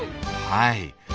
はい。